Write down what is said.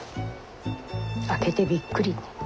開けてびっくり。